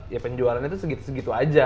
ya penjualannya itu segitu segitu aja